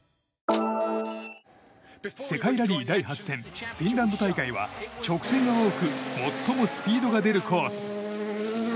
世界ラリー第８戦フィンランド大会は直線が多く最もスピードが出るコース。